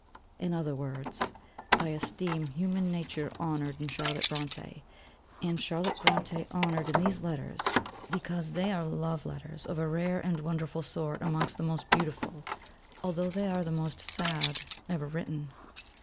In other words, I esteem human nature honoured in Charlotte Brontë, and Charlotte Brontë honoured in these Letters, _because they are love letters of a rare and wonderful sort amongst the most beautiful, although they are the most sad ever written_.